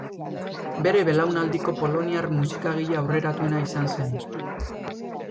Bere belaunaldiko poloniar musikagile aurreratuena izan zen.